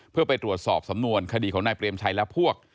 เพื่อไปตรวจสอบสำนวนคดีของนายเปรมชัยและพวก